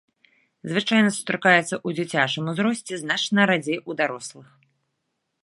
Звычайна сустракаецца ў дзіцячым узросце, значна радзей у дарослых.